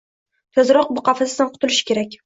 Tezroq bu qafasdan qutulishi kerak.